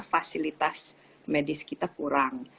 fasilitas medis kita kurang